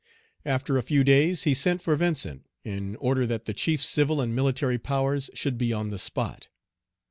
After a few days, he sent for Vincent, in order that the chief civil and military powers should be on the spot.